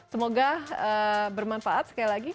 semoga bermanfaat sekali lagi